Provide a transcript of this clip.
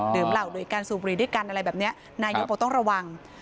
อ๋อดื่มเหล่าโดยการสูบบุรีด้วยกันอะไรแบบเนี้ยครับนายอยู่ปกติต้องระวัง